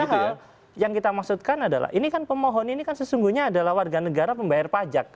padahal yang kita maksudkan adalah ini kan pemohon ini kan sesungguhnya adalah warga negara pembayar pajak